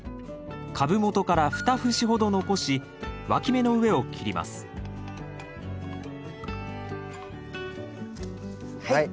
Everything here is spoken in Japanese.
株元から２節ほど残しわき芽の上を切りますはい。